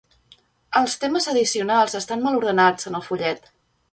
Els temes addicionals estan mal ordenats en el fullet.